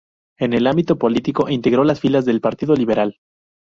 En el ámbito político, integró las filas del Partido Liberal.